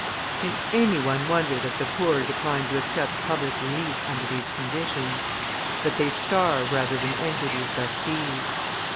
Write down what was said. Can any one wonder that the poor decline to accept public relief under these conditions? That they starve rather than enter these bastilles?